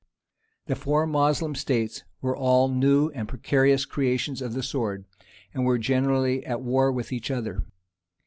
The four Moslem states were all new and precarious creations of the sword, and were generally at war with each other.